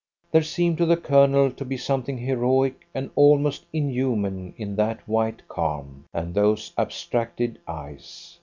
There seemed to the Colonel to be something heroic and almost inhuman in that white calm, and those abstracted eyes.